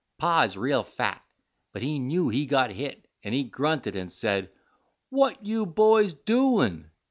Pa is real fat, but he knew he got hit, and he grunted and said, 'What you boys doin'?'